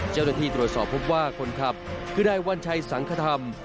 เจ้าหน้าที่ตรวจสอบพบว่าคนขับคือนายวัญชัยสังคธรรม